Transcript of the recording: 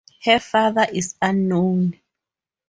Her father is unknown.